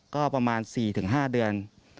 ก็ประมาณ๔๕เดือน